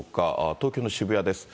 東京の渋谷です。